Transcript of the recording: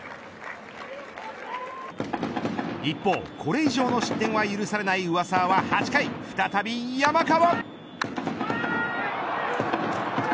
一方、これ以上の失点は許されない上沢は８回再び山川。